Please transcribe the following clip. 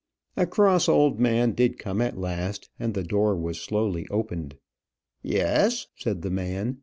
A cross old man did come at last, and the door was slowly opened. "Yes," said the man.